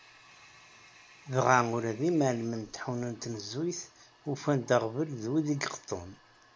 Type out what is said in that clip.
Dɣa ula d imεellmen n tḥuna n tnezzuyt ufan-d aɣbel d wid i iqeṭṭun.